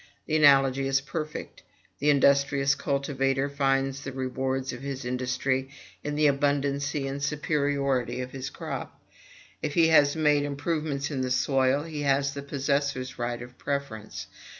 The analogy is perfect, the industrious cultivator finds the reward of his industry in the abundancy and superiority of his crop. If he has made improvements in the soil, he has the possessor's right of preference.